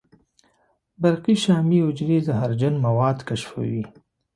برقي شامي حجرې زهرجن مواد کشفوي.